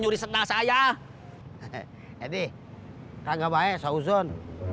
kesian jam segini belum makan